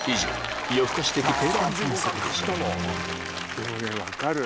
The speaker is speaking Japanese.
でもね分かる。